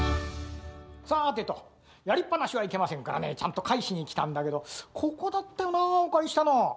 さてとやりっぱなしはいけませんからねちゃんとかえしにきたんだけどここだったよなぁおかりしたの。